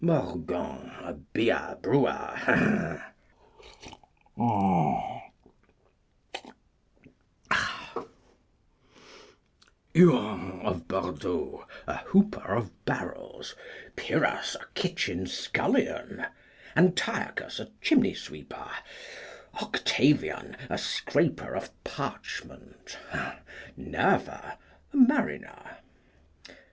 Morgan, a beer brewer. Huon of Bordeaux, a hooper of barrels. Pyrrhus, a kitchen scullion. Antiochus, a chimney sweeper. Octavian, a scraper of parchment. Nerva, a mariner.